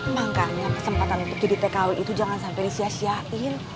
makanya kesempatan untuk jadi tkw itu jangan sampai disiasiin